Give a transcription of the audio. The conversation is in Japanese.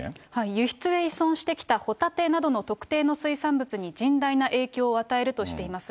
輸出で依存してきたホタテなどの特定の水産物に甚大な影響を与えるとしています。